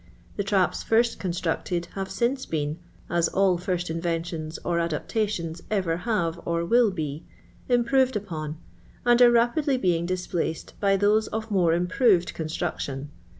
The traps first constructed have ^ince U'cn (as all first inventions or adaptations ever h:ivc or will be) improved upon, and are rapidly being displaced by those of more improved constructiou.